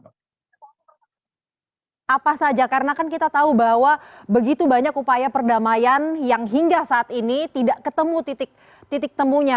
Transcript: apa saja karena kan kita tahu bahwa begitu banyak upaya perdamaian yang hingga saat ini tidak ketemu titik temunya